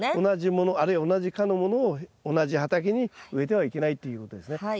同じものあるいは同じ科のものを同じ畑に植えてはいけないっていうことですね。